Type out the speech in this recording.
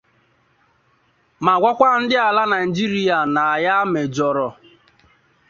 ma gwaka ndị ala Naịjirịa na ya kwuhiere ọnụ